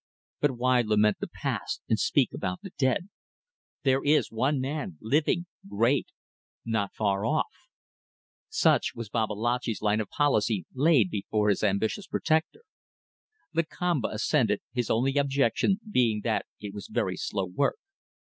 But why lament the past and speak about the dead? There is one man living great not far off ... Such was Babalatchi's line of policy laid before his ambitious protector. Lakamba assented, his only objection being that it was very slow work.